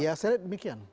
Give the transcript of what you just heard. ya saya lihat demikian